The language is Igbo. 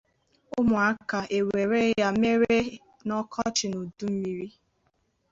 ụmụaka ewere ya mere anụ n'ọkọchị na n'udummiri